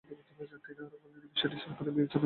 তিনি আরও বলেন, এ বিষয়টি সরকারের বিবেচনায় আছে।